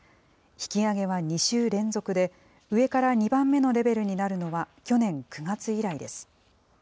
引き上げは２週連続で、上から２番目のレベルになるのは、去年９月以来です。